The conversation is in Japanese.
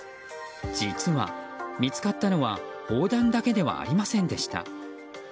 実は見つかったのは砲弾だけではありませんでした。